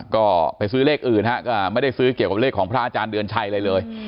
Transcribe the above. ก็ไปซื้อเลขอื่นฮะก็ไม่ได้ซื้อเกี่ยวกับเลขของพระอาจารย์เดือนชัยอะไรเลย